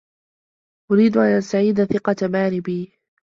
أريد أن أستعيد ثقة ماري بي.